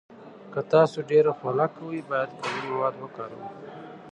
که تاسو ډیر خوله کوئ، بیا باید قوي مواد وکاروئ.